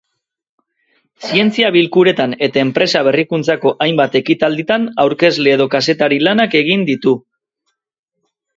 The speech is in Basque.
Zientzia-bilkuretan eta enpresa-berrikuntzako hainbat ekitalditan aurkezle edo kazetari-lanak egin ditu.